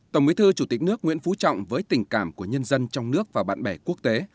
tổng bí thư chủ tịch nước nguyễn phú trọng với tình cảm của nhân dân trong nước và bạn bè quốc tế